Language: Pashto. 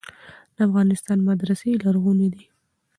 د افغانستان مدرسې لرغونې دي.